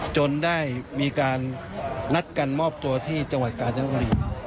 จนได้มีการนัดกันมอบตัวที่จังหวัดกาญจนบุรี